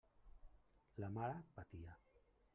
La mare patia.